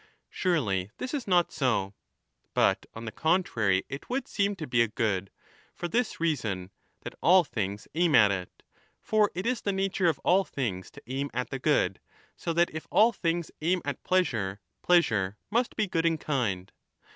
Surely this is not so, but, on the contrary, it would seem to be a good for this reason, 35 that all things aim at it. For it is the nature of all things to aim at the good, so that, if all things aim at pleasure, pleasure must be good in kind.